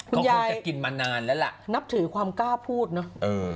คุณยายกลุ่มจะกินมานานแล้วละนับถือความกล้าพูดนะเออ